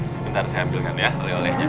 sebentar saya ambilkan ya oleh olehnya